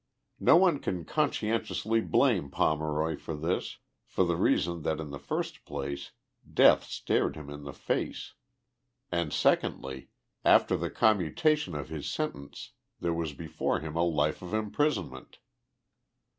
Xo one can conscientious^ blame Pomeroy for this for the reason that in the first place death stared him in the face. And secondly, after the commutation of his sentence, there was before him a life of imprisonment.